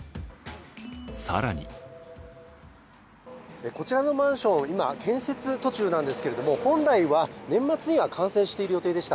更にこちらのマンション、今、建設途中なんですけれども本来は、年末には完成している予定でした。